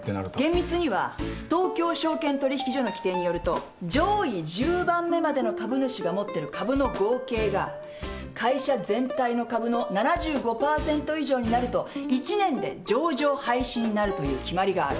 厳密には東京証券取引所の規定によると上位１０番目までの株主が持ってる株の合計が会社全体の株の７５パーセント以上になると一年で上場廃止になるという決まりがある。